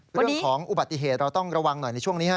เรื่องของอุบัติเหตุเราต้องระวังหน่อยในช่วงนี้ฮะ